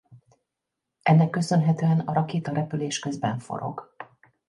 Ennek köszönhetően a rakéta repülés közben forog.